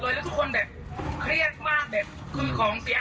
น่าวัดนอกค่ะขอบคุณค่ะ